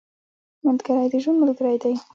ملګری د ژوند ملګری دی